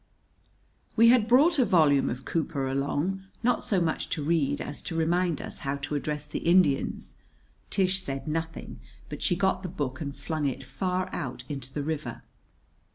We had brought a volume of Cooper along, not so much to read as to remind us how to address the Indians. Tish said nothing, but she got the book and flung it far out into the river.